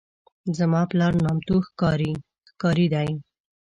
زما پلار نامتو ښکاري دی.